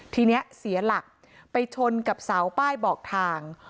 ทีนี้เสียหลักไปชนกับเสาป้ายบอกทาง